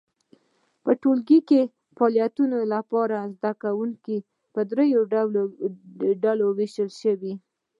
په ټولګي کې فعالیت لپاره زده کوونکي په درې ډلو وویشل شي.